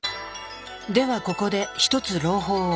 ではここで一つ朗報を。